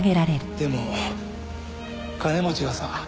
でも金持ちがさ